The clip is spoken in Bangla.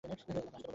তাকে আসতে বলো।